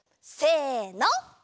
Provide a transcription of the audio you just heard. せの。